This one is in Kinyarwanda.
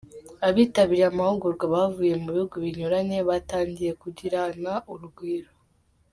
Abitabiriye amahugurwa bavuye mu bihugu binyuranye batangiye kugirana urugwiro.